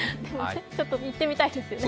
ちょっと行ってみたいですね。